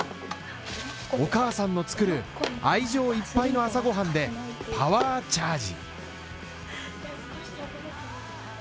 お母さんの作る愛情いっぱいの朝ご飯で、パワーチャージ。